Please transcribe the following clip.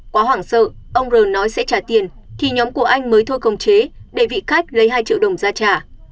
quá hoảng sợ ông r nói sẽ trả tiền thì nhóm của anh mới thôi công chế để vị khách lấy hai triệu đồng ra trả